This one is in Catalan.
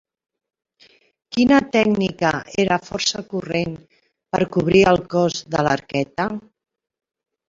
Quina tècnica era força corrent per cobrir el cos de l'arqueta?